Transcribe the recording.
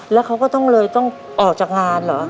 แล้วเขาก็ต้องเลยต้องออกจากงานเหรอ